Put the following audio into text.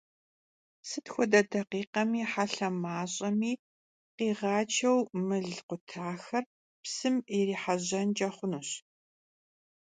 Sıt xuede dakhikhemi helhe maş'emi khiğaçeu mıl khutaxer psım yirihejenç'e xhunuş.